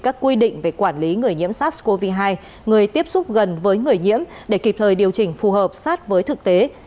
các quy định về quản lý người nhiễm sars cov hai người tiếp xúc gần với người nhiễm để kịp thời điều chỉnh phù hợp sát với thực tế